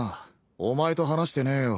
お前と話してねえよ。